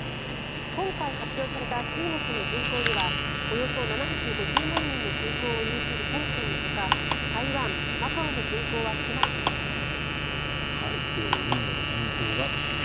今回、発表された中国の人口にはおよそ７５０万人の人口を有する香港のほか台湾、マカオの人口は含まれていません。